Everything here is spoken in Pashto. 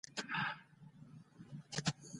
د زعفرانو په پټي کې د هرزه ګیاوو کنټرول څنګه وکړم؟